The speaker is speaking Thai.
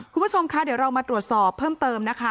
คุณผู้ชมคะเดี๋ยวเรามาตรวจสอบเพิ่มเติมนะคะ